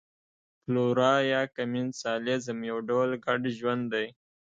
فلورا یا کمېنسالیزم یو ډول ګډ ژوند دی.